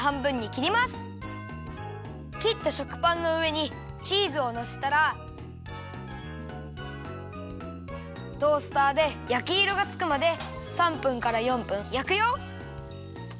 きった食パンのうえにチーズをのせたらトースターでやきいろがつくまで３分から４分やくよ。